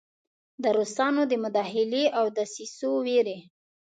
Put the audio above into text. د روسانو د مداخلې او دسیسو ویرې.